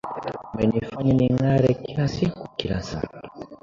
Umenifanya ning’are kila siku kila saa.